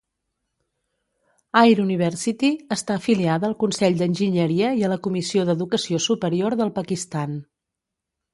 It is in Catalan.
Air University està afiliada al Consell d'Enginyeria i a la Comissió d'Educació Superior del Pakistan.